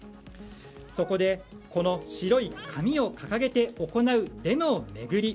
そこで、この白い紙を掲げて行うデモを巡り